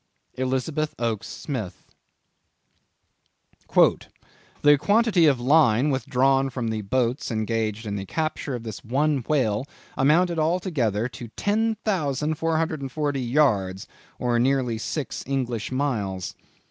—Elizabeth Oakes Smith. "The quantity of line withdrawn from the boats engaged in the capture of this one whale, amounted altogether to 10,440 yards or nearly six English miles....